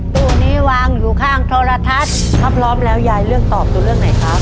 ตู้นี้วางอยู่ข้างโทรทัศน์ถ้าพร้อมแล้วยายเลือกตอบตัวเลือกไหนครับ